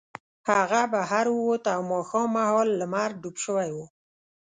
هغه بهر ووت او ماښام مهال لمر ډوب شوی و